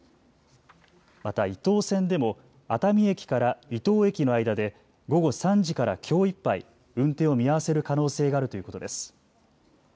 また伊東線でも熱海駅から伊東駅の間で午後３時からきょういっぱい運転を見合わせる可能性があるということです。